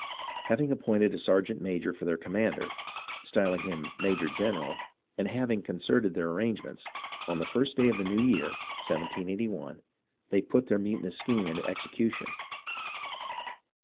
Having ap pointed a sergeant major for their commander, styling him major general, and having concerted their arrangements, on the first day of the new year they put their muti nous scheme into execution.